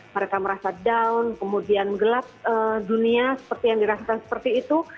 mereka merasa down kemudian gelap dunia seperti yang dirasakan seperti itu